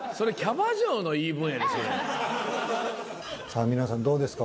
さあみなさんどうですか？